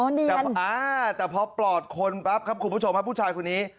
อ๋อเนียนอ่าแต่พอเปลาดคนแทบครับคุณผู้ชมครับผู้ชายคนนี้